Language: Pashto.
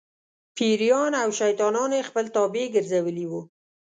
پېریان او شیطانان یې خپل تابع ګرځولي وو.